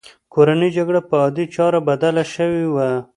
کورنۍ جګړه پر عادي چاره بدله شوې وه.